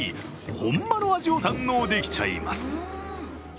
本場の味を堪能できちゃいます。